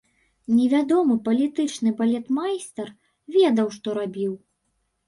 Невядомы палітычны балетмайстар ведаў, што рабіў.